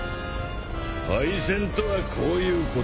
敗戦とはこういうことだ。